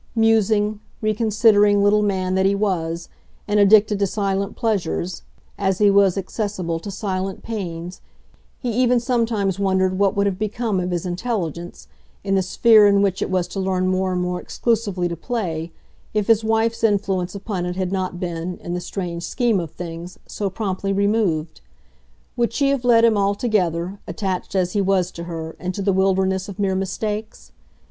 Musing, reconsidering little man that he was, and addicted to silent pleasures as he was accessible to silent pains he even sometimes wondered what would have become of his intelligence, in the sphere in which it was to learn more and more exclusively to play, if his wife's influence upon it had not been, in the strange scheme of things, so promptly removed. Would she have led him altogether, attached as he was to her, into the wilderness of mere mistakes?